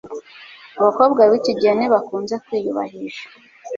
Abakobwa bikigihe ntibakunze kwiyubahisha